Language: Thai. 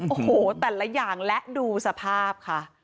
โอ้โหแต่ละอย่างและดูสภาพค่ะ